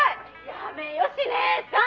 「やめよし姉さん！」